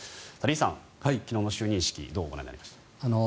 李さん、昨日の就任式どうご覧になりました？